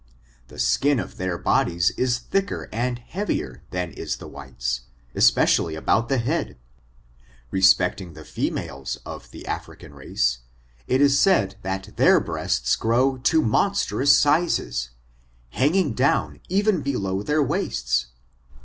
The skin of their bodies is thicker and heavier than is the whites^ especially abont the head* Respecting the females of the Af rican race, it is said that their breasts grow to monstrous sizes, hanging down even below their waists.